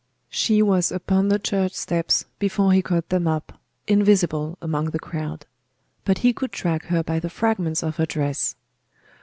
She was upon the church steps before he caught them up, invisible among the crowd; but he could track her by the fragments of her dress.